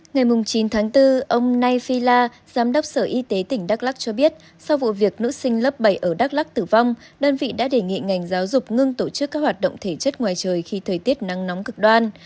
ngày chín tháng bốn ông nay phi la giám đốc sở y tế tỉnh đắk lắc cho biết sau vụ việc nữ sinh lớp bảy ở đắk lắc tử vong đơn vị đã đề nghị ngành giáo dục ngưng tổ chức các hoạt động thể chất ngoài trời khi thời tiết nắng nóng cực đoan